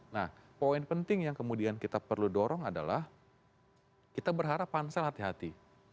nah poin penting yang kemudian kita perlu dorong adalah kita berharap pansel hati hati